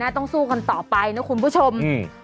ต้องสู้กันต่อไปนะคุณผู้ชม